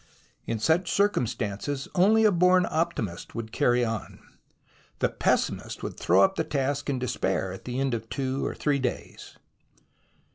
In such circumstances only a born optimist could carry on. The pessimist would throw up the task in despair at the end of two or three days.